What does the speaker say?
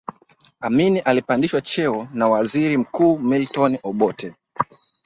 Amin alipandishwa cheo na waziri mkuu Milton Obote